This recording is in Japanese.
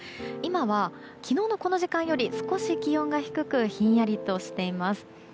今は昨日のこの時間より少し気温が低くひんやりとしています。